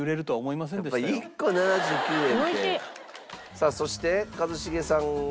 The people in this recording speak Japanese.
さあそして一茂さんが。